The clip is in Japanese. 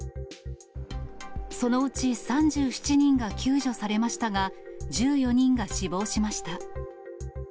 そのうち３７人が救助されましたが、１４人が死亡しました。